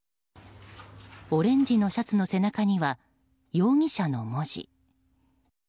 オレンジのシャツの背中には「容疑者」の文字。